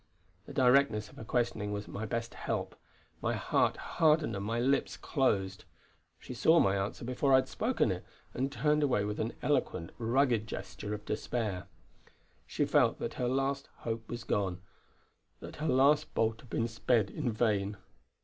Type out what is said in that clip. The directness of her questioning was my best help; my heart hardened and my lips closed. She saw my answer before I had spoken it, and turned away with an eloquent, rugged gesture of despair. She felt that her last hope was gone; that her last bolt had been sped in vain.